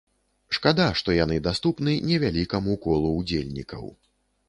Шкада, што яны даступны невялікаму колу ўдзельнікаў.